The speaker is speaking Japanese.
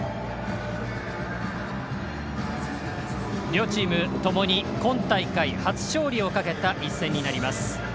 両チームともに今大会、初勝利をかけた一戦になります。